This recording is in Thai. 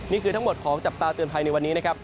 นี่คือทั้งหมดของจับตาเตือนภัยในวันนี้นะครับ